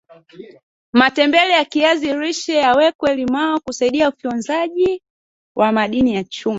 matembele ya kiazi lishe yawekwe limao kusaidia ufyonzaji wa madini ya chuma